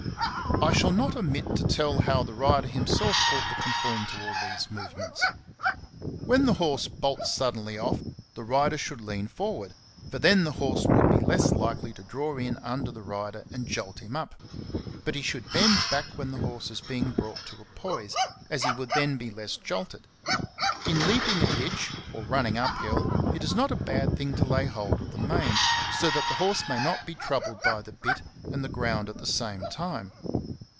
I shall not omit to tell how the rider him self ought to conform to all these movements. When the horse bolts suddenly off, the rider should lean forward, for then the horse would be less likely to draw in under the rider and jolt him up ; but he should bend back when the horse is being brought to a poise, as he would then be less jolted. In leaping a ditch or running up hill, it is not a bad thing to lay hold of the mane,^*" so that the horse may not be troubled by the bit and the ground at the same time.